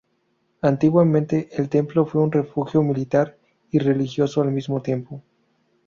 Antiguamente, el templo fue un refugio militar y religioso al mismo tiempo.